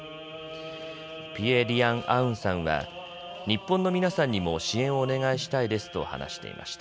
ピエ・リアン・アウンさんは日本の皆さんにも支援をお願いしたいですと話していました。